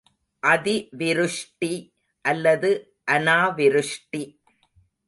அதி விருஷ்டி, அல்லது அநாவிருஷ்டி.